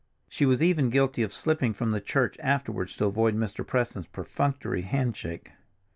She was even guilty of slipping from the church afterwards to avoid Mr. Preston's perfunctory handshake.